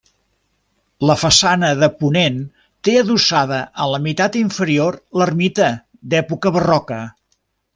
La façana de ponent té adossada en la meitat inferior l'ermita d'època barroca.